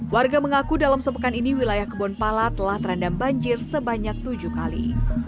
warga mengaku dalam sepekan ini wilayah kebonpala telah terendam banjir sebanyak tujuh kali